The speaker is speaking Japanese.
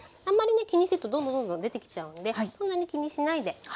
あんまり気にしてるとどんどんどんどん出てきちゃうのでそんなに気にしないで。